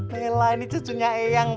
mela ini cucunya eyang